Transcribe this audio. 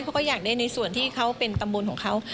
เขาก็อยากได้ในส่วนที่เขาเป็นตำบลของเขา